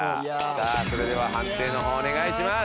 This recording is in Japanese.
さあそれでは判定の方お願いします。